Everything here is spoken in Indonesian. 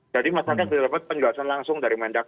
jadi masyarakat bisa dapat penjelasan langsung dari mendak